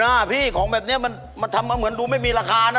เออนะพี่ของแบบเนี้ยมันมันทำเหมือนดูไม่มีราคานะ